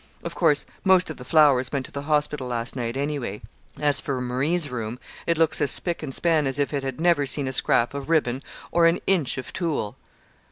Of course most of the flowers went to the hospital last night, anyway. As for Marie's room it looks as spick and span as if it had never seen a scrap of ribbon or an inch of tulle."